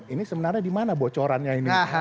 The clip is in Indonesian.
ini sebenarnya di mana bocorannya ini